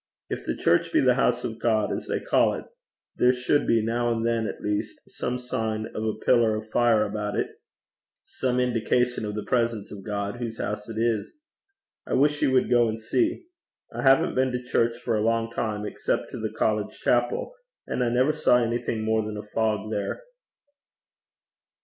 If the church be the house of God, as they call it, there should be, now and then at least, some sign of a pillar of fire about it, some indication of the presence of God whose house it is. I wish you would go and see. I haven't been to church for a long time, except to the college chapel, and I never saw anything more than a fog there.'